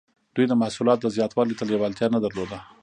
دوی د محصولاتو زیاتوالي ته لیوالتیا نه درلوده.